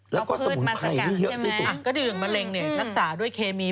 แล้วก็สมุนไพรไม่เยอะคืออย่างเมลิกเนี่ยรักษาด้วยเคมี